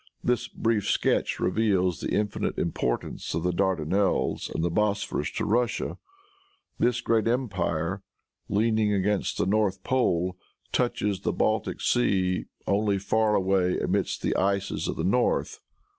This brief sketch reveals the infinite importance of the Dardanelles and the Bosporus to Russia. This great empire, "leaning against the north pole," touches the Baltic Sea only far away amidst the ices of the North.